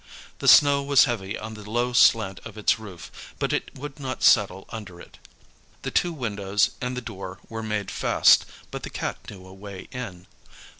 The snow was heavy on the low slant of its roof, but it would not settle under it. The two windows and the door were made fast, but the Cat knew a way in.